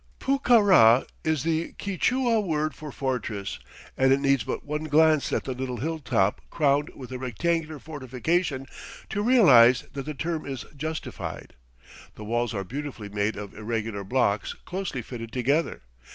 Pucará is the Quichua word for fortress and it needs but one glance at the little hilltop crowned with a rectangular fortification to realize that the term is justified. The walls are beautifully made of irregular blocks closely fitted together.